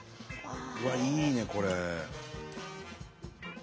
うわっいいねこれ。